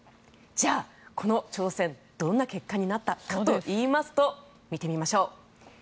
じゃあこの挑戦どんな結果になったかといいますと見てみましょう。